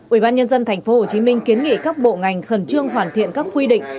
ủy ban nhân dân tp hcm kiến nghị các bộ ngành khẩn trương hoàn thiện các quy định